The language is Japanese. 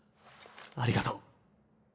ありがとう。